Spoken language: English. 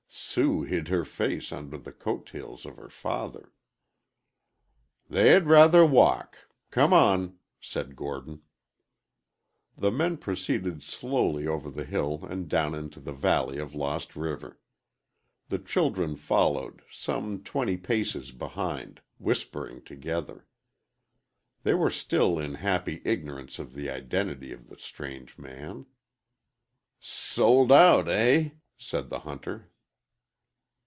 Sue hid her face under the coat tails of her father. "They'd rather walk; come on," said Gordon. The men proceeded slowly over the hill and down into the valley of Lost River. The children followed, some twenty paces behind, whispering together. They were still in happy ignorance of the identity of the strange man. "S sold out eh?" said the hunter.